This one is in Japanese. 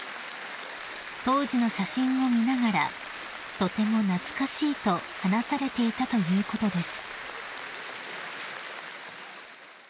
［当時の写真を見ながら「とても懐かしい」と話されていたということです］